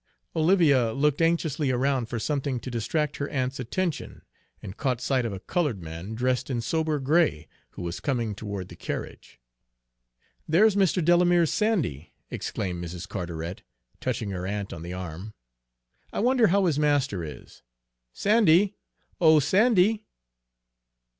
Olivia looked anxiously around for something to distract her aunt's attention, and caught sight of a colored man, dressed in sober gray, who was coming toward the carriage. "There's Mr. Delamere's Sandy!" exclaimed Mrs. Carteret, touching her aunt on the arm. "I wonder how his master is? Sandy, oh, Sandy!"